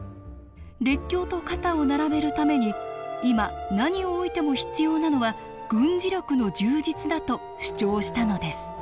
列強と肩を並べるために今何をおいても必要なのは軍事力の充実だと主張したのです。